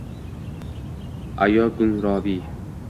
ayo gung roviy